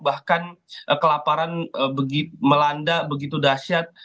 bahkan kelaparan melanda begitu dahsyat